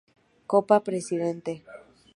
Copa Presidente